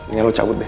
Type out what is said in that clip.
ingin lo cabut deh